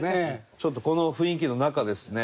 ちょっとこの雰囲気の中ですね